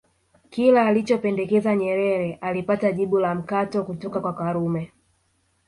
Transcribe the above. Kila alichopendekeza Nyerere alipata jibu la mkato kutoka kwa Karume